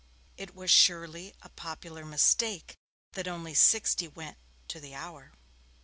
It was surely a popular mistake that only sixty went to the hour.